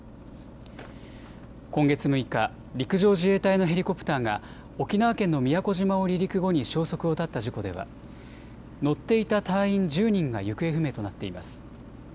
今月６日、陸上自衛隊のヘリコプターが沖縄県の宮古島を離陸後に消息を絶った事故では乗っていた隊員１０人が行方不明となっています。